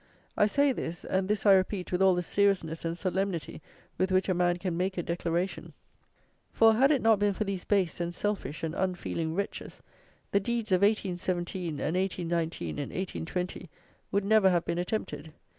I say this, and this I repeat with all the seriousness and solemnity with which a man can make a declaration; for, had it not been for these base and selfish and unfeeling wretches, the deeds of 1817 and 1819 and 1820 would never have been attempted.